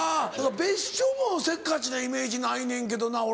別所もせっかちなイメージないねんけどな俺。